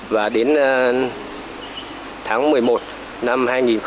và đến tháng một mươi một năm hai nghìn một mươi tám